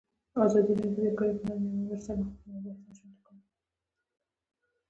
ازادي راډیو د بیکاري پر وړاندې یوه مباحثه چمتو کړې.